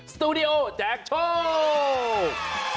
สตูดิโอแจกโชค